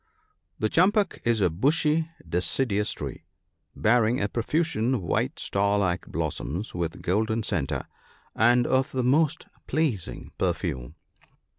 — The champak is a bushy deciduous tree, bearing a profusion of white star like blossoms with golden centre, and of the most pleasing perfume.